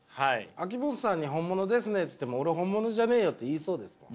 秋元さんに「本物ですね」っつっても「俺本物じゃねえよ」って言いそうですもん。